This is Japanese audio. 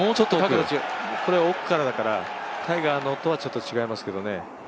これは奥からだから、タイガーのとはちょっと違いますけどね。